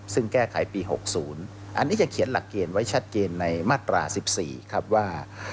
ซึ่งแก้ไขปี๖๐อันนี้จะเขียนหลักเกณฑ์ไว้ชัดเจนในมาตรา๑๔ครับว่า